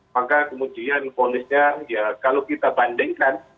maka kemudian polisnya kalau kita bandingkan